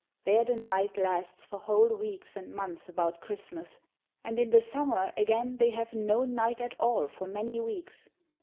There the night lasts for whole weeks and months about Christmas, and in the summer again they have no night at all for many weeks.